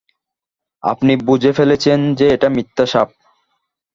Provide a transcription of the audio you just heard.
আপনি বুঝে ফেলেছেন যে এটা মিথ্যা সাপ।